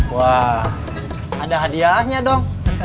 wah ada hadiahnya dong